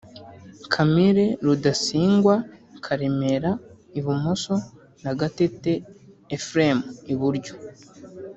Camile Rudasingwa Karemera (Ibumoso) na Gatete Ephraim (Iburyo)